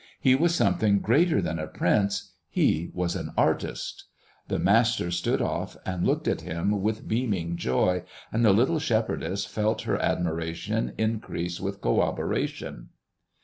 He was something greater than a prince; he was an artist. The master stood off and looked at him with beaming joy, and the little shepherdess felt her admiration increase with corroboration.